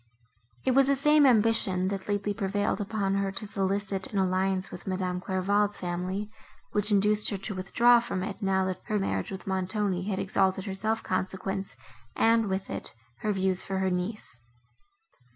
It was the same ambition, that lately prevailed upon her to solicit an alliance with Madame Clairval's family, which induced her to withdraw from it, now that her marriage with Montoni had exalted her self consequence, and, with it, her views for her niece.